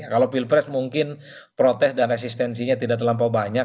kalau pilpres mungkin protes dan resistensinya tidak terlampau banyak